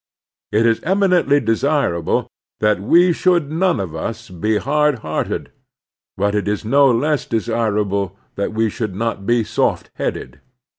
It is eminently desirable that we should none of us be hard heaxted, but it is no less desirable that we should not be soft headed.